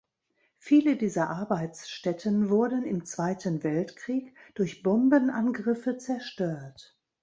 Viele dieser Arbeitsstätten wurden im Zweiten Weltkrieg durch Bombenangriffe zerstört.